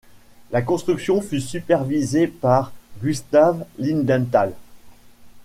La construction fut supervisée par Gustav Lindenthal.